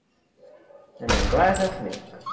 And a glass of milk.